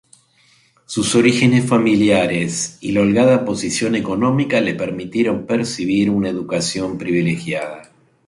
Sus orígenes familiares y la holgada posición económica le permitieron recibir una educación privilegiada.